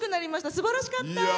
すばらしかった！